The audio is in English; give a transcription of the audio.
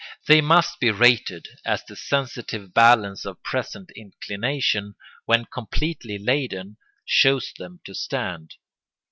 They must be rated as the sensitive balance of present inclination, when completely laden, shows them to stand.